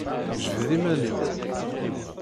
Jbed iman-im!